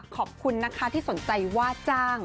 ขอบคุณนะคะที่สนใจว่าจ้าง